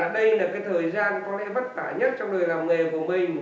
đây là cái thời gian có lẽ vất vả nhất trong đời làm nghề của mình